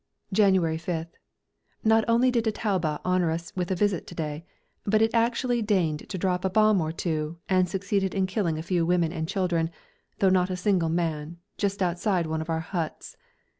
January 5th. Not only did a Taube honour us with a visit to day, but it actually deigned to drop a bomb or two and succeeded in killing a few women and children, though not a single man, just outside one of our huts.